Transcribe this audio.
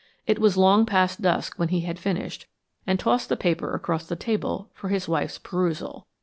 It was long past dusk when he had finished, and tossed the paper across the table for his wife's perusal.